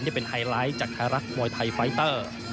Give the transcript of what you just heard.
นี่เป็นไฮไลท์จากธารักษ์มวยไทยไฟเตอร์